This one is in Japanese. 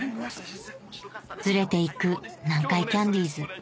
ズレていく南海キャンディーズ